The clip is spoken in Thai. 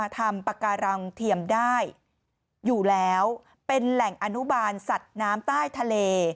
ทำปากการังเทียมได้อยู่แล้วเป็นแหล่งอนุบาลสัตว์น้ำใต้ทะเล